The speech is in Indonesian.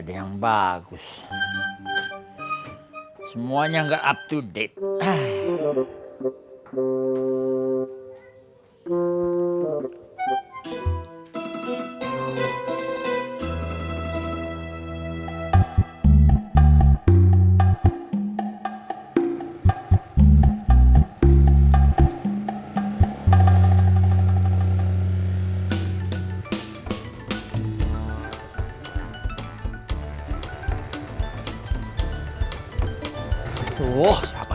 teh mau sugernya rasa apa